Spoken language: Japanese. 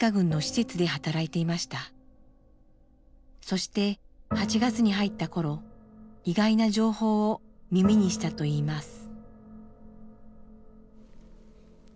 そして８月に入った頃意外な情報を耳にしたといいます。